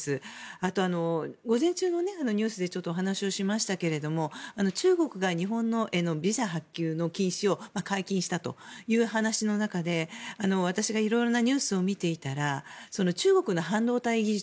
あと、午前中のニュースでちょっとお話ししましたけど中国が日本へのビザ発給の禁止を解禁したという話の中で私がいろいろなニュースを見ていたら、中国の半導体技術